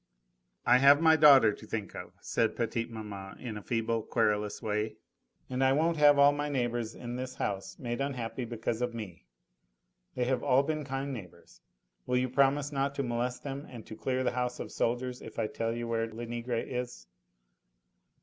"I have my daughter to think of," said petite maman in a feeble, querulous way, "and I won't have all my neighbours in this house made unhappy because of me. They have all been kind neighbours. Will you promise not to molest them and to clear the house of soldiers if I tell you where Lenegre is?"